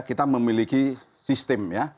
kita memiliki sistem ya